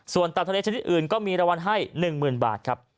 ส่วนตับทะเลชนิดอื่นก็มีรางวัลให้๑๐๐๐บาทครับ